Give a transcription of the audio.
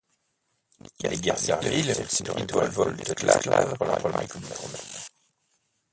Les guerres serviles, une série de révoltes d'esclave contre la République romaine.